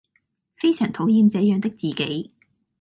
非常討厭這樣的自己